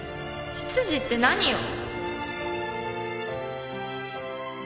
執事って何よ